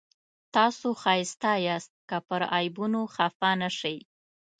تاسو ښایسته یاست که پر عیبونو خفه نه شئ.